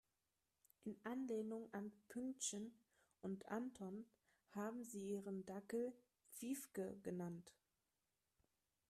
In Anlehnung an Pünktchen und Anton haben sie ihren Dackel Piefke genannt.